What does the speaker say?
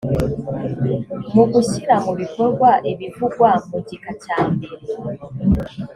mu gushyira mu bikorwa ibivugwa mu gika cya mbere